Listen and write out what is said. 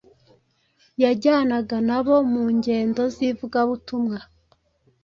Yajyanaga nabo mu ngendo z’ivugabutumwa,